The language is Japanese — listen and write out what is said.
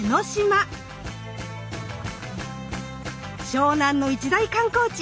湘南の一大観光地！